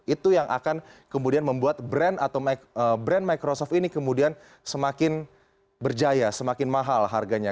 itu yang akan kemudian membuat brand atau brand microsoft ini kemudian semakin berjaya semakin mahal harganya